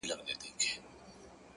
مهرباني د کینې ځای تنګوي؛